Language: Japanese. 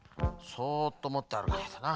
そっともってあるかないとな。